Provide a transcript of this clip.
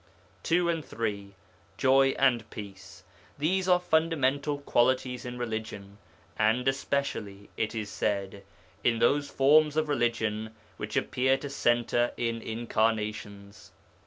2 and 3. Joy and Peace. These are fundamental qualities in religion, and especially, it is said, in those forms of religion which appear to centre in incarnations.